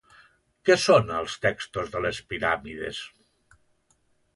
Què són els textos de les piràmides?